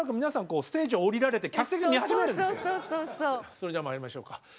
それじゃあまいりましょうか。